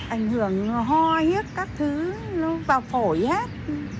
ảnh hưởng ho hết các thứ nó vào phổi hết